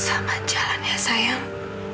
sama jalan ya sayang